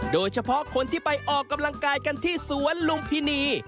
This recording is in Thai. โดยเฉพาะคนที่ไปออกกำลังกายกันที่สวนลุมพินี